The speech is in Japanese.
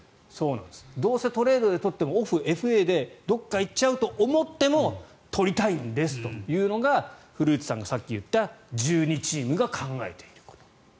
どうせトレードで取ってオフ、ＦＡでどこかに行っちゃうと思っても取りたいんですというのが古内さんがさっき言った１２チームが考えている。